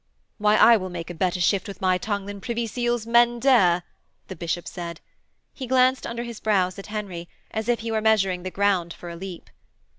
'Why, I will make a better shift with my tongue than Privy Seal's men dare,' the bishop said. He glanced under his brows at Henry, as if he were measuring the ground for a leap.